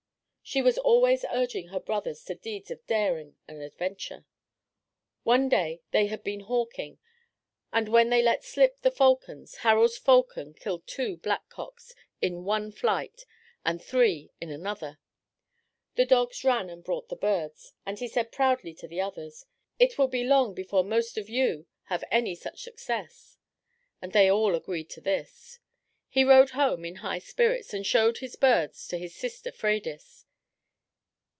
She was always urging her brothers to deeds of daring and adventure. One day they had been hawking, and when they let slip the falcons, Harald's falcon killed two blackcocks in one flight and three in another. The dogs ran and brought the birds, and he said proudly to the others, "It will be long before most of you have any such success," and they all agreed to this. He rode home in high spirits and showed his birds to his sister Freydis.